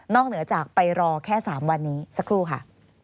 เหนือจากไปรอแค่๓วันนี้สักครู่ค่ะ